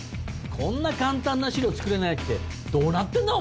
こんな簡単な資料作れないってどうなってんだ？